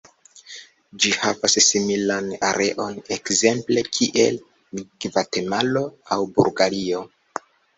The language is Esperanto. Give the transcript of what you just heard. Ĝi havas similan areon ekzemple kiel Gvatemalo aŭ Bulgario.